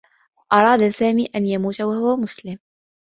أراد سامي أن يموت و هو مسلم.